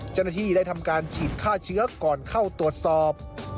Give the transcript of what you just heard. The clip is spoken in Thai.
เจ้าหน้าที่ได้ทำการฉีดฆ่าเชื้อก่อนเข้าตรวจสอบ